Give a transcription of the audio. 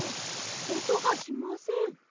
おとがしません。